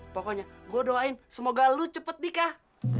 pokoknya gue doain semoga lo cepet nikah